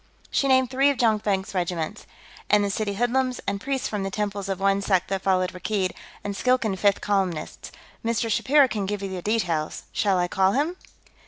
She named three of Jonkvank's regiments. "And the city hoodlums, and priests from the temples of one sect that followed Rakkeed, and Skilkan fifth columnists. Mr. Shapiro can give you the details. Shall I call him?"